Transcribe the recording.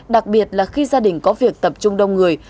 đặc biệt là khi gia đình có việc tập trung đông người